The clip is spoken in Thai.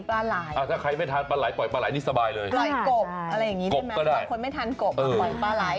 ถ้าใครไม่ทานปลาไหลปล่อยปลาไหลนี่สบายเลย